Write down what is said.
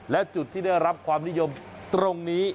และจุดที่ได้รับความนิยมตรงนี้